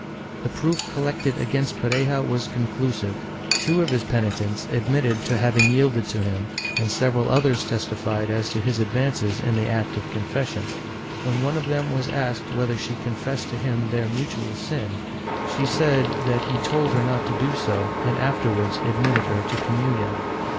The proof collected against Pareja was conclusive. Two of his penitents admitted to having yielded to him, and several others testified as to his advances in the act of confession. When one of them was asked whether she confessed to him their mutual sin, she said that he told her not to do so, and afterwards admitted her to communion.